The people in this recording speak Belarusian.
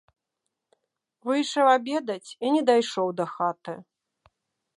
Выйшаў абедаць і не дайшоў да хаты.